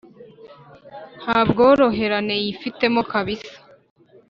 nta bworoherane yifitemo. kabisa